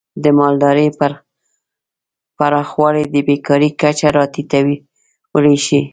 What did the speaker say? د مالدارۍ پراخوالی د بیکاری کچه راټیټولی شي.